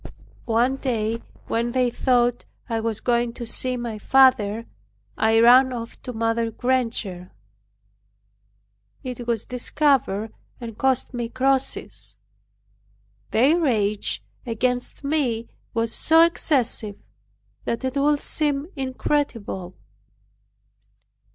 One day when they thought I was going to see my father, I ran off to Mother Granger. It was discovered, and cost me crosses. Their rage against me was so excessive, that it would seem incredible.